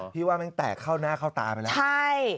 พี่ว่ามันแตกเข้าหน้าเข้าตาไปใช่